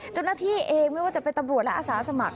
เจ้าหน้าที่เองไม่ว่าจะเป็นตำรวจและอาสาสมัคร